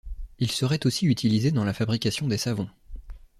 Il serait aussi utilisé dans la fabrication des savons.